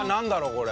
これ。